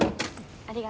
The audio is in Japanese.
ありがと。